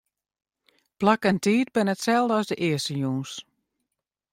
Plak en tiid binne itselde as de earste jûns.